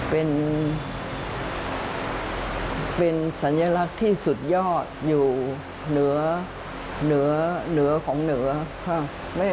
เป็นสัญลักษณ์ที่สุดยอดอยู่เหนือของเหนือ